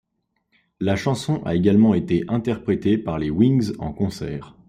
La chanson a également été interprétée par les Wings en concert.